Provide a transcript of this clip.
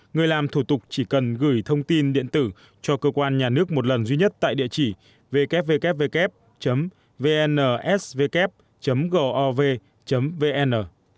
người làm thủ tục chỉ cần gửi thông tin điện tử cho cơ quan nhà nước một lần duy nhất tại địa chỉ ww vnsw gov vn